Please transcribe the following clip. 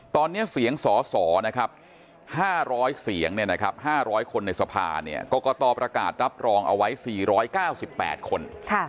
ตอนนี้เสียงสส๕๐๐เสียง๕๐๐คนในสภากรกตประกาศรับรองเอาไว้๔๙๘คน